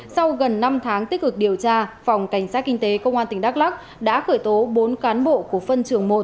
sau gần năm tháng tích cực điều tra phòng cảnh sát kinh tế công an tỉnh đắk lắc đã khởi tố bốn cán bộ của phân trường một